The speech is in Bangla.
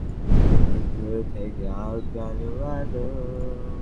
রাধামুকুন্দ দীর্ঘনিশ্বাস ফেলিয়া চলিয়া গেলেন, তাঁহার হৃদয়ভার সমান রহিল।